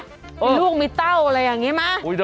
มีลูกมีเต้าอะไรอย่างนี้ไหม